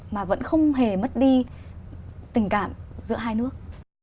mà vẫn không hề mất đi tình cảm giữa hai nước